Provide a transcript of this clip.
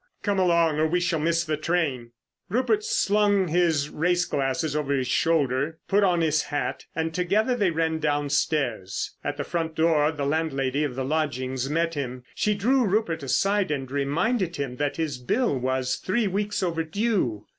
Come along, or we shall miss the train!" Rupert slung his race glasses over his shoulder, put on his hat, and together they ran downstairs. At the front door the landlady of the lodgings met him. She drew Rupert aside and reminded him that his bill was three weeks overdue.